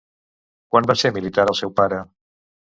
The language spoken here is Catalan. Quan va ser militar el seu pare?